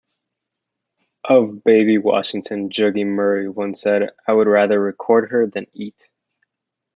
Of Baby Washington, Juggy Murray once said, I would rather record her than eat.